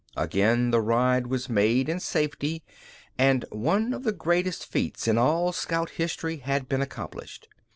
Again the ride was made in safety, and one of the greatest feats in all scout history had been accomplished.